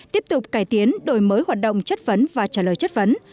tiếp tục cải tiến đổi mới hoạt động chất vấn và trả lời chất vấn